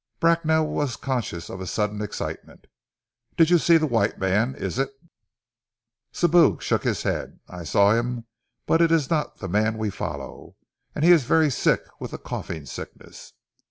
Bracknell was conscious of a sudden excitement. "Did you see the white man? Is it " Sibou shook his head. "I saw him, but it is not the man we follow; and he is very sick with the coughing sickness!"